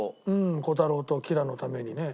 虎太郎とキラのためにね。